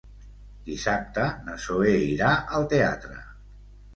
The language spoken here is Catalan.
Dissabte na Zoè irà al teatre.